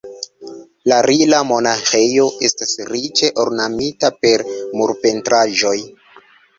La Rila-monaĥejo estas riĉe ornamita per murpentraĵoj.